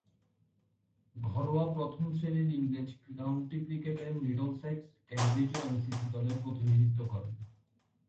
ঘরোয়া প্রথম-শ্রেণীর ইংরেজ কাউন্টি ক্রিকেটে মিডলসেক্স, কেমব্রিজ ও এমসিসি দলের প্রতিনিধিত্ব করেন।